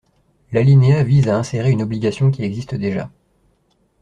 L’alinéa vise à insérer une obligation qui existe déjà.